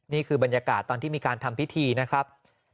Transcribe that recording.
นี่คือบรรยากาศตอนที่มีการทำพิธีนะครับ